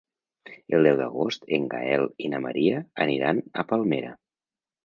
El deu d'agost en Gaël i na Maria aniran a Palmera.